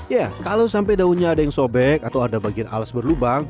ya kalau sampai daunnya ada yang sobek atau ada bagian alas berlubang